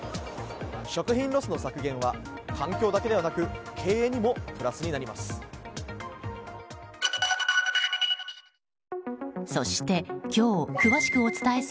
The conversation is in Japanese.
食品ロスの削減は環境だけではなく経営にもプラスになります。